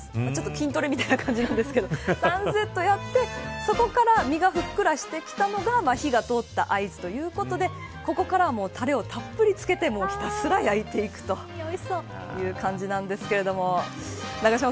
筋トレみたいな感じなんですけど３セットやってそこから身がふっくらしてきたら火が通った合図ということでここからはタレをたっぷりつけてひたすら焼いていくという感じなんですけれども。